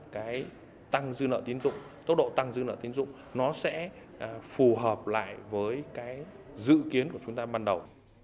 cái tăng dư nợ tiến dụng tốc độ tăng dư nợ tiến dụng nó sẽ phù hợp lại với cái dự kiến của chúng ta ban đầu